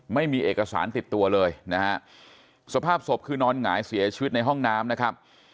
ไม่มีเอกสารติดตัวเลยนะฮะสภาพศพคือนอนหงายเสียชีวิตในห้องน้ำนะครับ